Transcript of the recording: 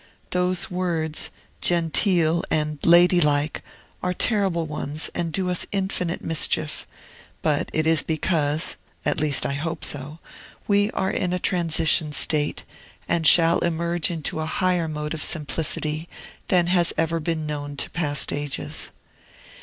Those words, "genteel" and "ladylike," are terrible ones and do us infinite mischief, but it is because (at least, I hope so) we are in a transition state, and shall emerge into a higher mode of simplicity than has ever been known to past ages.